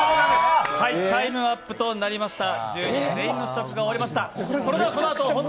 タイムアップとなりました。